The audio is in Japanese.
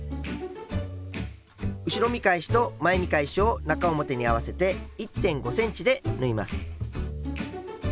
後ろ見返しと前見返しを中表に合わせて１．５ｃｍで縫います。